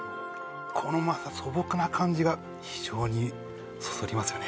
このまた素朴な感じが非常にそそりますよね